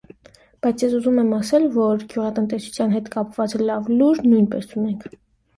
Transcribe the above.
Բայց ես ուզում եմ ասել, որ գյուղատնտեսության հետ կապված լավ լուր նույնպես ունենք: